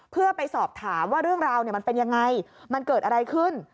เพื่อไปสอบถามว่าเรื่องราวมันเป็นยังไงมันเกิดอะไรขึ้น